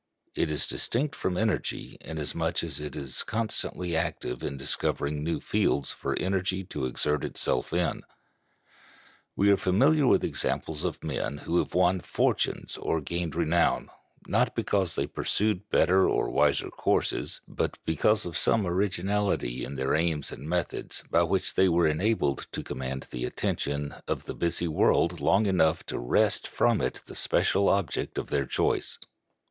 It is distinct from energy, inasmuch as it is constantly active in discovering new fields for energy to exert itself in. We are familiar with examples of men who have won fortunes or gained renown, not because they pursued better or wiser courses, but because of some originality in their aims and methods, by which they were enabled to command the attention of the busy world long enough to wrest from it the special object of their choice.